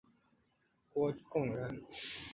郭躬人。